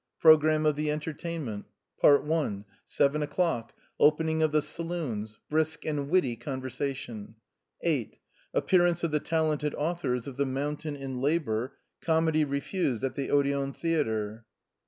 ^rosramnw of i^t îgntMtafnmtnt. PART I. 7 o'clock. — Opening of the saloons. Brisk and witty conversation. 8. — Appearance of the talented authors of " The Mountain in Labor " comedy refused at the Odeon Theatre. 8.30.